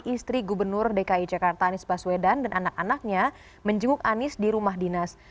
istri gubernur dki jakarta anies baswedan dan anak anaknya menjenguk anies di rumah dinas